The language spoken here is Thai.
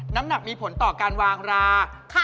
น้ำหนักมีผลต่อการวางรา